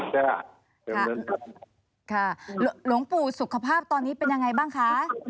ลูกผู้สุขภาพตอนนี้เป็นยังไงบ้างค่ะ